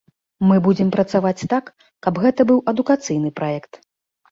Мы будзем працаваць так, каб гэта быў адукацыйны праект.